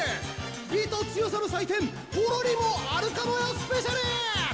美と強さの祭典ぽろりもあるかもよスペシャル！